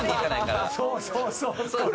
そうそうそうそう！